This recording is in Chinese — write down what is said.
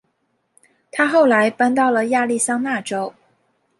她后来搬到了亚利桑那州。